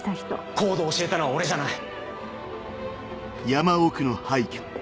ＣＯＤＥを教えたのは俺じゃない。